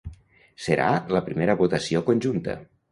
Serà la primera votació conjunta.